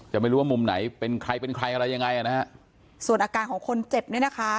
ไม่รู้ว่ามุมไหนเป็นใครเป็นใครอะไรยังไงอ่ะนะฮะส่วนอาการของคนเจ็บเนี่ยนะคะ